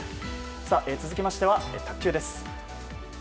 続きましては、卓球です。